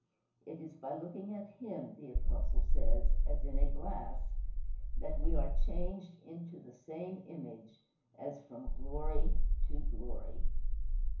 It is by looking at him, the Apostle says, "as in a glass," that we are "changed into the same image, as from glory to glory."